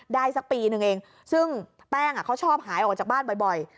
สักปีนึงเองซึ่งแป้งเขาชอบหายออกจากบ้านบ่อย